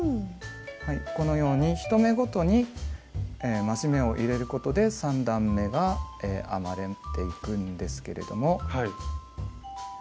このように１目ごとに増し目を入れることで３段めが編まれていくんですけれども。